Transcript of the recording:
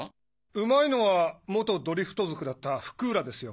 上手いのは元ドリフト族だった福浦ですよ。